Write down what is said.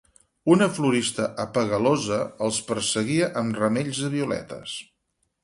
Una florista apegalosa els perseguia amb ramells de violetes.